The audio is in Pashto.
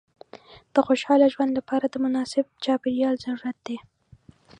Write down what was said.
د خوشحاله ژوند لپاره د مناسب چاپېریال ضرورت دی.